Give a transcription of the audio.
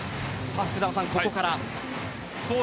福澤さん、ここから。